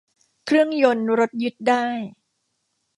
เครื่องยนต์รถยึดได้